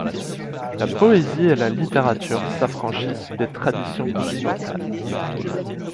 La poésie et la littérature s'affranchissent des traditions continentales.